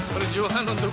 perjuangan untuk live